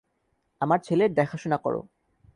আমাদের ছেলের দেখাশোনা করো,।